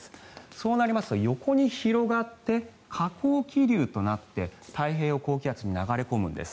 そうなりますと横に広がって下降気流となって太平洋高気圧に流れ込むんです。